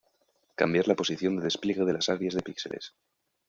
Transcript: Cambiar la posición de despliegue de las áreas de píxeles.